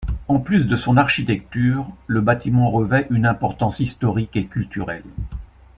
En plus de son architecture, le bâtiment revêt une importance historique et culturelle.